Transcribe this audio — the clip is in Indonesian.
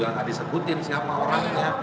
yang gak disebutin siapa orangnya